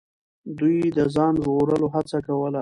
دوی د ځان ژغورلو هڅه کوله.